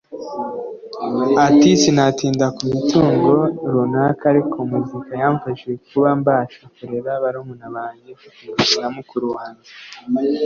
Ati " Sinatinda ku mitungo runaka ariko muzika yamfashije kuba mbasha kurera barumuna banjye mfatanyije na mukuru wanjye